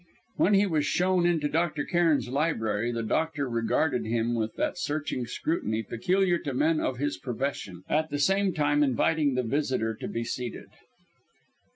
When he was shown into Dr. Cairn's library, the doctor regarded him with that searching scrutiny peculiar to men of his profession, at the same time inviting the visitor to be seated.